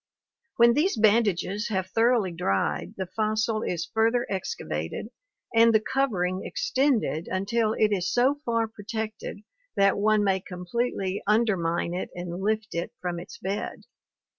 When these bandages have thoroughly dried the fossil is further excavated and the covering extended until it is so far pro tected that one may completely undermine it and lift it from its bed.